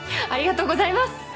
ありがとうございます！